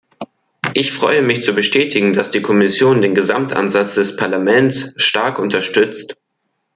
Ich freue mich zu bestätigen, dass die Kommission den Gesamtansatz des Parlaments stark unterstützt.